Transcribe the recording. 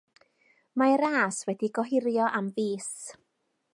Mae'r ras wedi'i gohirio am fis.